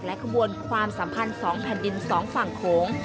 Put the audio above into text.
ขบวนความสัมพันธ์๒แผ่นดิน๒ฝั่งโขง